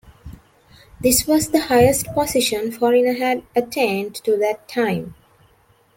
This was the highest position Foreigner had attained to that time.